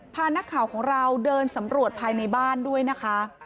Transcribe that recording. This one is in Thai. พานักข่าวของเราเดินสำรวจภายในบ้านด้วยนะคะ